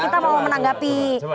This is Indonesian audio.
karena kita mau menanggapi